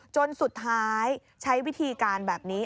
จนสุดท้ายใช้วิธีการแบบนี้